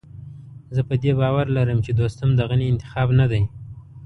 زه په دې باور لرم چې دوستم د غني انتخاب نه دی.